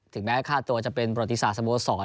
ถึงแม้คาดตัวจะเป็นประธิษฐ์สโมสร